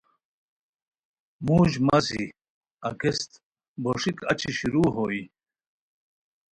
موژ مسی (اگست) بوݰیک اچی شروع ہوئے